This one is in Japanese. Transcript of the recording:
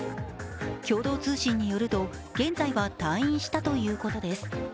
共同通信によると、現在は退院したということです。